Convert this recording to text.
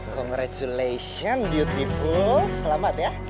congratulations beautiful selamat ya